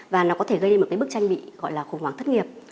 và nó có thể gây nên một cái bức tranh bị gọi là khủng hoảng thất nghiệp